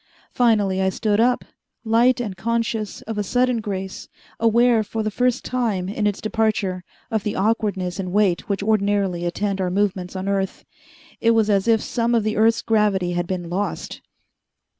Finally I stood up, light and conscious of a sudden grace, aware for the first time, in its departure, of the awkwardness and weight which ordinarily attend our movements on earth. It was as if some of the earth's gravity had been lost.